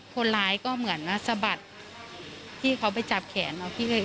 คนร้ายก็เหมือนว่าสะบัดพี่เขาไปจับแขนเนาะ